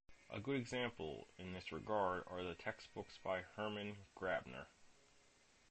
A good example in this regard are the textbooks by Hermann Grabner.